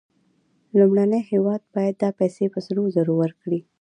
لومړنی هېواد باید دا پیسې په سرو زرو ورکړي